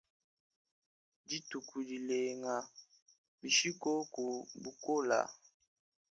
Dituku dilenga, bishi koku bukola ?